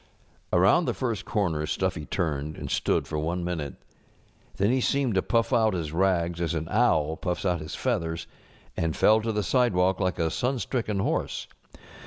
Around the first comer Stuffy turned, and stood for one minute. Then he seemed to puff out his rags as an owl puffs out his feathers, and fell to the side┬¼ walk like a sunstricken horse.